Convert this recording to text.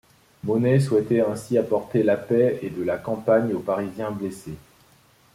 Monet souhaitait ainsi apporter la paix et de la campagne aux Parisiens blessés.